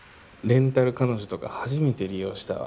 レンタル彼女とか初めて利用したわ。